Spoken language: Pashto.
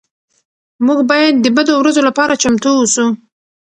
موږ باید د بدو ورځو لپاره چمتو اوسو.